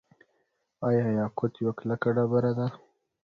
آیا یاقوت یوه کلکه ډبره ده؟